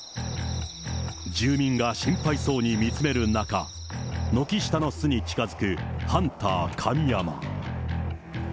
住民が心配そうに見つめる中、軒下の巣に近づくハンター神山。